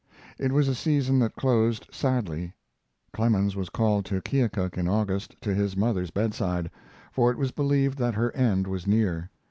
It was a season that closed sadly. Clemens was called to Keokuk in August, to his mother's bedside, for it was believed that her end was near.